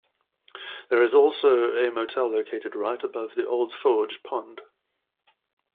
There is also a motel located right above the Old Forge Pond.